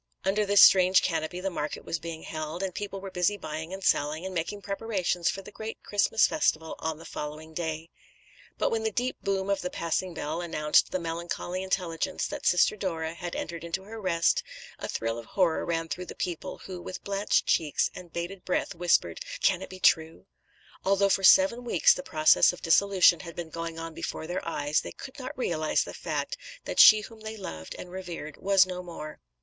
Under this strange canopy the market was being held, and people were busy buying and selling, and making preparations for the great Christmas festival on the following day; but when the deep boom of the passing bell announced the melancholy intelligence that Sister Dora had entered into her rest, a thrill of horror ran through the people, who, with blanched cheeks and bated breath, whispered, 'Can it be true?' Although for seven weeks the process of dissolution had been going on before their eyes, they could not realise the fact that she whom they loved and revered was no more."